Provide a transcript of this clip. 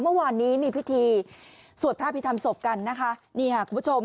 เมื่อวานนี้มีพิธีสวดพระพิธรรมศพกันนะคะนี่ค่ะคุณผู้ชม